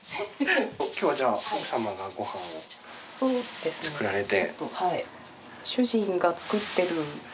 今日はじゃあ奥様がご飯を作られて。